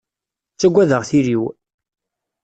Ttaggadeɣ tili-w.